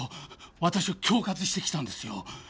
私を恐喝してきたんですよ。